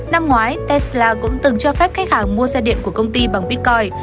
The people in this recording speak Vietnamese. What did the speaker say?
năm ngoái tesla cũng từng cho phép khách hàng mua xe điện của công ty bằng bitcoin